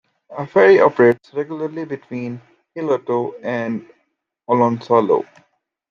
A ferry operates regularly between Hailuoto and Oulunsalo.